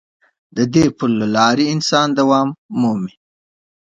د دې پل له لارې انسان دوام مومي.